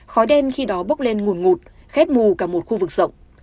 khói đen khi đó bốc lên nguồn ngụt khét mù cả một khu vực rộng